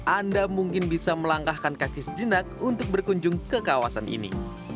anda mungkin bisa melangkahkan kaki sejenak untuk berkunjung ke kawasan ini